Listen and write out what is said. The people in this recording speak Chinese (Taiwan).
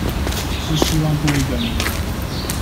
是希望多一個名額